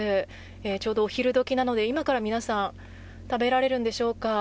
ちょうどお昼時なので今から皆さん食べられるんでしょうか。